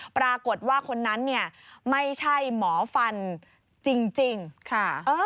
ปรากฏว่าคนนั้นเนี่ยไม่ใช่หมอฟันจริงค่ะ